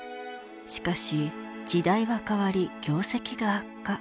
しかし時代は変わり業績が悪化。